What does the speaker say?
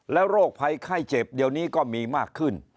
โรคภัยไข้เจ็บเดี๋ยวนี้ก็มีมากขึ้น